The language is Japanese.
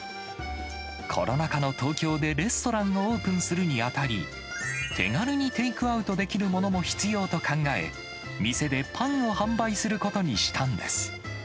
コロナ禍の東京でレストランをオープンするにあたり、手軽にテイクアウトできるものも必要と考え、店でパンを販売することにしたんです。